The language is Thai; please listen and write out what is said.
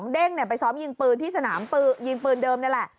เด้งไปซ้อมยิงปืนที่สนามยิงปืนเดิมนี่แหละ